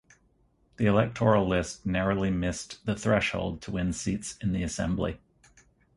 The electoral list narrowly missed the threshold to win seats in the assembly.